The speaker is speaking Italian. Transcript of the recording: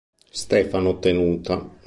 Stefano Tenuta.